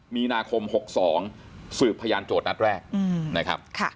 ๗มีนาคม๖๒สืบพยานโจทย์นัดแรก